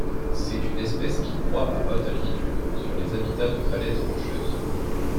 C'est une espèce qui croît à haute altitude, sur les habitats de falaises rocheuses.